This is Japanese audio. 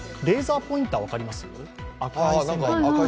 レーザーポインター分かります？